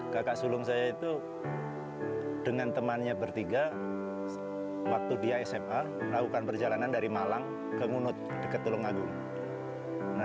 kakak sulung saya itu dengan temannya bertiga waktu dia sma melakukan perjalanan dari malang ke ngunut dekat tulungagung